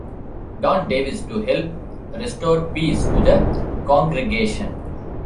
Don Davis, to help restore peace to the congregatin.